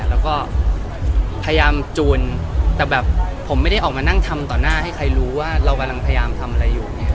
แล้วก็พยายามจูนแต่แบบผมไม่ได้ออกมานั่งทำต่อหน้าให้ใครรู้ว่าเรากำลังพยายามทำอะไรอยู่